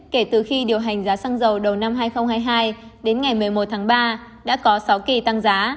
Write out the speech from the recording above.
kể từ khi điều hành giá xăng dầu đầu năm hai nghìn hai mươi hai đến ngày một mươi một tháng ba đã có sáu kỳ tăng giá